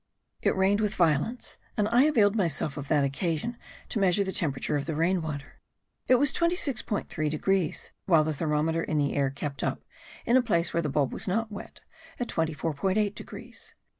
It rained with violence, and I availed myself of that occasion to measure the temperature of the rain water: it was 26.3 degrees, while the thermometer in the air kept up, in a place where the bulb was not wet, at 24.8 degrees.